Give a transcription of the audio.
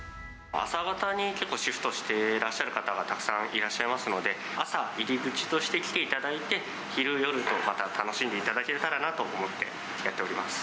朝方にシフトしていらっしゃる方がたくさんいらっしゃいますので、朝、入り口として来ていただいて、昼、夜とまた楽しんでいただけたらなと思って、やっております。